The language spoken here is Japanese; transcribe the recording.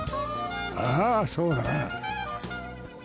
ああそうだな。